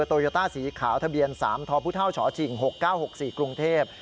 โตยาต้าสีขาวทะเบียน๓ทพุท่าวฉจิ่ง๖๙๖๔กรุงเทพฯ